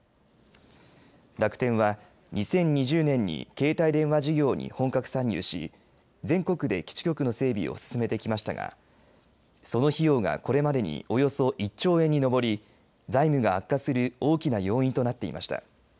楽天は２０２０年に携帯電話事業に本格参入し全国で基地局の整備を進めてきましたがその費用がこれまでにおよそ１兆円に上り財務が悪化する大きな要因となっていました。